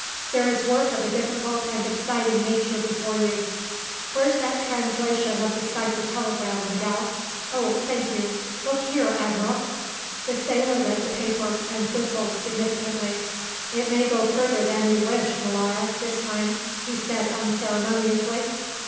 "There is work of a difficult and exciting nature before you. Where's that translation of the cipher telegram, Miguel? Ah, thank you, look here, Admiral." The sailor read the paper, and whistled significantly. "It may go further than you wish, Molara, this time," he said unceremoniously.